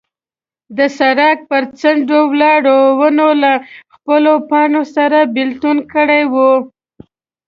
د سړک پر څنډو ولاړو ونو له خپلو پاڼو سره بېلتون کړی و.